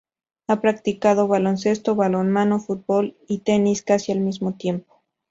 Ha practicado baloncesto, balonmano, fútbol y tenis casi al mismo tiempo.